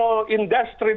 hewa pengbye tuntut